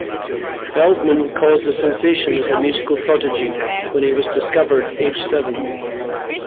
Feldman caused a sensation as a musical prodigy when he was "discovered", aged seven.